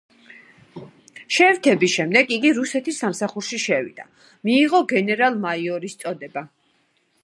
შეერთების შემდეგ იგი რუსეთის სამსახურში შევიდა, მიიღო გენერალ-მაიორის წოდება.